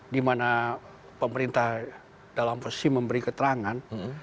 di mana pemerintah dalam posisi memberi keterangan